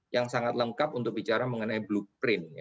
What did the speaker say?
yang sangat lengkap untuk bicara mengenai blueprint